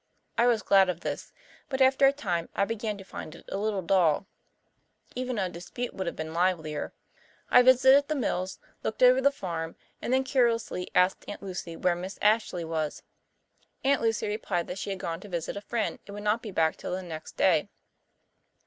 I was glad of this, but after a time I began to find it a little dull. Even a dispute would have been livelier. I visited the mills, looked over the farm, and then carelessly asked Aunt Lucy where Miss Ashley was. Aunt Lucy replied that she had gone to visit a friend and would not be back till the next day.